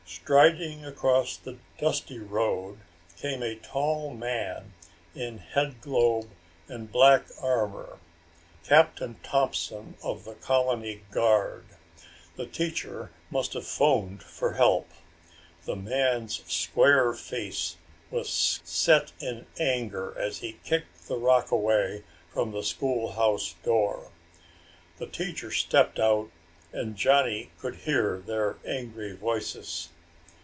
Striding across the dusty road came a tall man in headglobe and black armor Captain Thompson of the colony guard. The teacher must have phoned for help. The man's square face was set in anger as he kicked the rock away from the schoolhouse door. The teacher stepped out and Johnny could hear their angry voices.